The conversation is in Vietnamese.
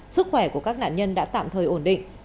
sức khỏe của các nạn nhân đã tạm thời ổn định